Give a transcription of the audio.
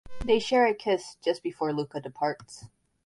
They share a kiss just before Luca departs.